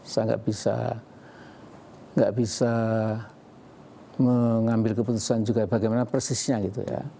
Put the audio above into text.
saya tidak bisa mengambil keputusan juga bagaimana persisnya gitu ya